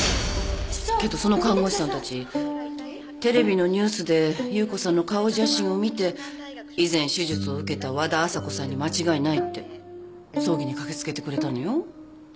けどその看護師さんたちテレビのニュースで夕子さんの顔写真を見て以前手術を受けた和田朝子さんに間違いないって葬儀に駆け付けてくれたのよ。